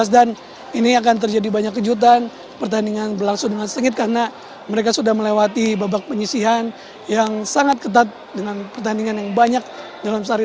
dan ini akan terjadi banyak kejutan pertandingan berlangsung dengan sengit karena mereka sudah melewati babak penyisihan yang sangat ketat dengan pertandingan yang banyak dalam sehari